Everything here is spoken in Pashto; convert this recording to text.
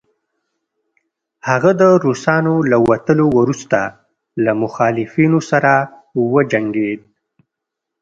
هغه د روسانو له وتلو وروسته له مخالفينو سره وجنګيد